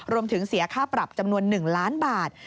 เสียค่าปรับจำนวน๑ล้านบาท